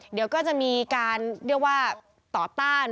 เดี๋ยวก็จะมีการเรียกว่าต่อต้าน